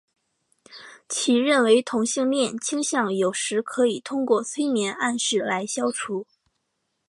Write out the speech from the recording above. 其认为同性恋倾向有时可以通过催眠暗示来消除。